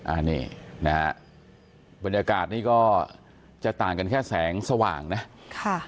อันนี้นะฮะบรรยากาศนี่ก็จะต่างกันแค่แสงสว่างนะค่ะ